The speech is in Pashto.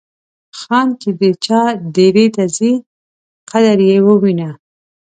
خان چې د چا دیرې ته ځي قدر یې وینه.